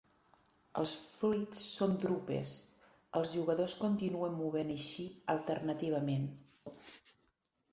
Els fruits són drupes. Els jugadors continuen movent així alternativament.